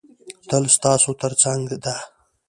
تل ستاسو تر څنګ ده.